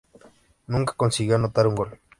Nunca consiguió anotar un gol.